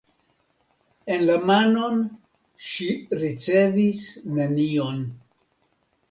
En la manon ŝi ricevis nenion.